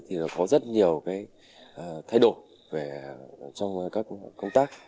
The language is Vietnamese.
thì có rất nhiều thay đổi trong các công tác